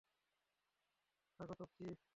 স্বাগতম, চিফ!